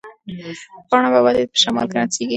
پاڼه به ولې په شمال کې نڅېږي؟